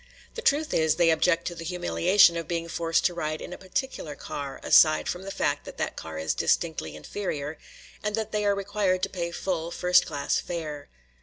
The truth is they object to the humiliation of being forced to ride in a particular car, aside from the fact that that car is distinctly inferior, and that they are required to pay full first class fare.